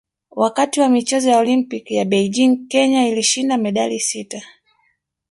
Wakati wa michezo ya Olimpiki ya Beijing Kenya ilishinda medali sita